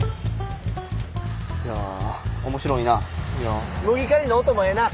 いやあ面白いな。